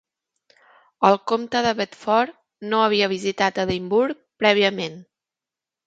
El comte de Bedford no havia visitat Edimburg prèviament.